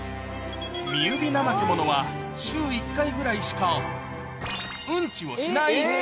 ミユビナマケモノは、週１回ぐらいしかうんちをしない。